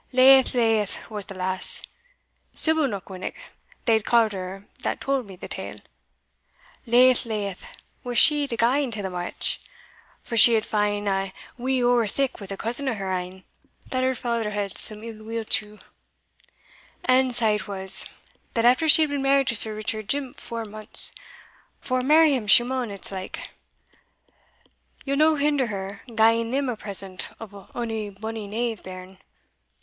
Laith, laith was the lass (Sybil Knockwinnock they ca'd her that tauld me the tale) laith, laith was she to gie into the match, for she had fa'en a wee ower thick wi' a cousin o' her ain that her father had some ill will to; and sae it was, that after she had been married to Sir Richard jimp four months for marry him she maun, it's like ye'll no hinder her gieing them a present o' a bonny knave bairn.